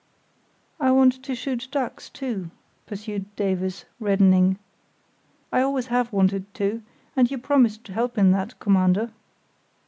"I want to shoot ducks too," pursued Davies, reddening. "I always have wanted to; and you promised to help in that, Commander."